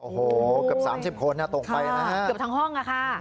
โอ้โหเกือบ๓๐คนนะตรงไปนะครับค่ะเกือบทั้งห้องค่ะ